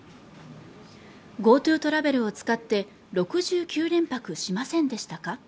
ＧｏＴｏトラベルを使って６９連泊しませんでしたか。